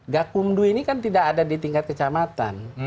gak kumdu ini kan tidak ada di tingkat kecamatan